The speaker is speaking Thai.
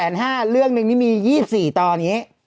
ตอนละ๑๕๐๐๐๐บาทเรื่องนี้มี๒๔ตอนนี้